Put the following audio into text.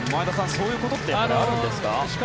そういうことってあるんですか。